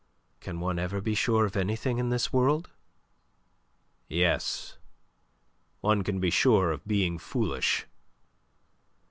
"Can one ever be sure of anything in this world?" "Yes. One can be sure of being foolish."